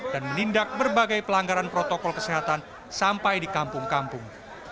dan menindak berbagai pelanggaran protokol kesehatan sampai di kampung kampung